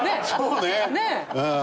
ねえ。